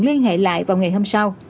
liên hệ lại vào ngày hôm sau